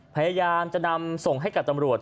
พยายามจะนำส่งให้กับตำรวจ